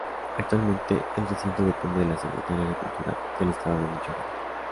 Actualmente el recinto depende de la Secretaría de cultura del estado de Michoacán.